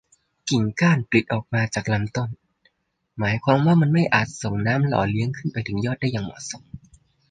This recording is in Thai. กิ่งก้านปลิดออกมาจากลำต้น หมายความว่ามันไม่อาจส่งน้ำหล่อเลี้ยงขึ้นไปถึงยอดได้อย่างเหมาะสม